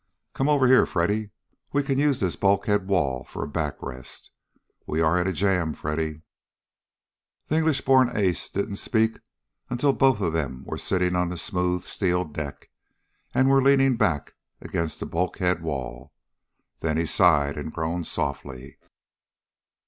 Come on over here, Freddy. We can use this bulkhead wall for a back rest. We are in a jam, Freddy!" The English born air ace didn't speak until both of them were sitting on the smooth steel deck and were leaning back against the bulkhead wall. Then he sighed, and groaned softly.